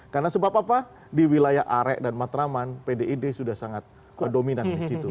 karena sebab apa di wilayah are dan mata raman pdip sudah sangat dominan di situ